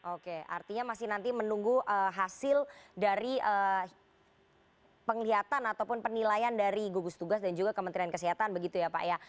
oke artinya masih nanti menunggu hasil dari penglihatan ataupun penilaian dari gugus tugas dan juga kementerian kesehatan begitu ya pak ya